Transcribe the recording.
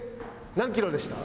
何キロでした？